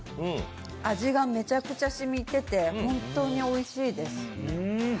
味がめちゃくちゃしみてて本当においしいです。